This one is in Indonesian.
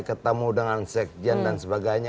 ketemu dengan sekjen dan sebagainya